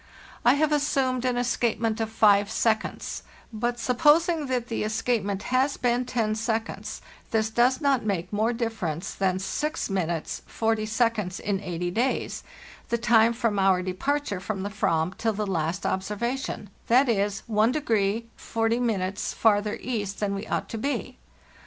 I have assumed an escapement of five seconds; but supposing that the escapement has been ten seconds, this does not make more difference than 6' 4o" in eighty days (the time from our departure from the /vam till the last ob servation)—that is, 1 40 farther east than we ought to be.